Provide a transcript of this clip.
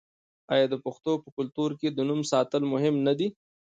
آیا د پښتنو په کلتور کې د نوم ساتل مهم نه دي؟